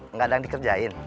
nggak ada yang dikerjain